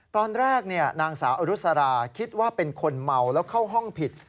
ตอนแรกนางสาวอรุษราคิดว่าเป็นคนเมาแล้วเข้าห้องผิด